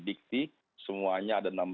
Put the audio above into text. dikti semuanya ada enam belas